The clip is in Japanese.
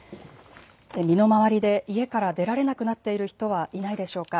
身の回りで家から出られなくなっている人はいないでしょうか。